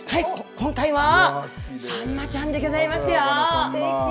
今回はサンマちゃんでギョざいますよ。